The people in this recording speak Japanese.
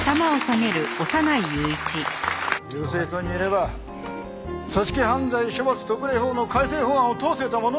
友政党にいれば組織犯罪処罰特例法の改正法案を通せたものを。